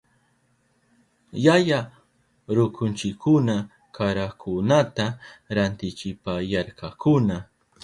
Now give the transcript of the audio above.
Yaya rukunchikuna karakunata rantichipayarkakuna.